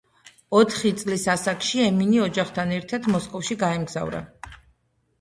ოთხი წლის ასაკში ემინი ოჯახთან ერთად მოსკოვში გაემგზავრა.